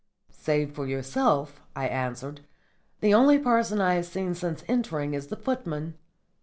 "Save for yourself," I answered, "the only person I have seen since entering is the footman."